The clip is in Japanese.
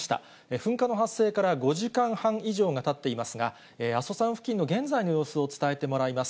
噴火の発生から５時間半以上がたっていますが、阿蘇山付近の現在の様子を伝えてもらいます。